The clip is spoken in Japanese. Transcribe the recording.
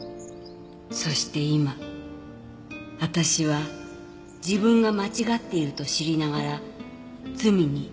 「そして今私は自分が間違っていると知りながら罪に手を染めます」